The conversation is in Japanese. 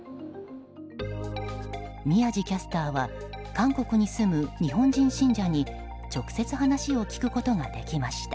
宮司キャスターは韓国に住む日本人信者に直接話を聞くことができました。